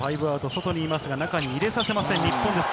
外にいますが中に入れさせません、日本です。